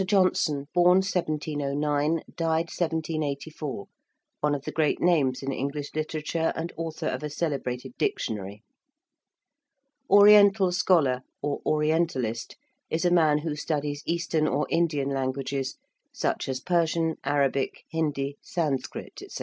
Johnson~ (born 1709, died 1784): one of the great names in English literature, and author of a celebrated dictionary. ~oriental scholar~, or ~orientalist~, is a man who studies Eastern or Indian languages, such as Persian, Arabic, Hindi, Sanskrit, &c.